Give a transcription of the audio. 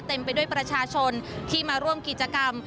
ไปด้วยประชาชนที่มาร่วมกิจกรรม